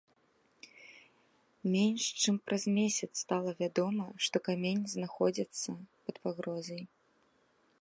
Менш чым праз месяц стала вядома, што камень знаходзіцца пад пагрозай.